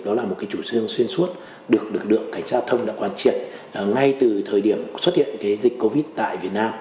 đó là một cái chủ trương xuyên suốt được được được cảnh sát giao thông đã hoàn triệt ngay từ thời điểm xuất hiện cái dịch covid tại việt nam